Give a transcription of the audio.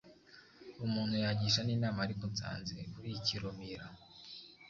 umuntu yagisha ninama ariko nsanze uri ikirumira